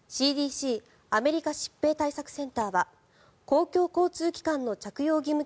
ＣＤＣ・アメリカ疾病対策センターは公共交通機関の着用義務